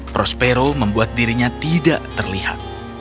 prospero membuat dirinya tidak terlihat